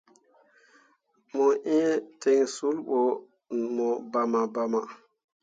Mo iŋ ten sul ɓo mo bama bama.